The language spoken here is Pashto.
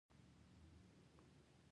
قاتل باید حساب ورکړي